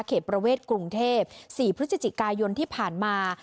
ประเวทกรุงเทพ๔พฤศจิกายนที่ผ่านมา